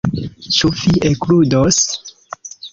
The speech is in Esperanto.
Ĉu vi ekludos?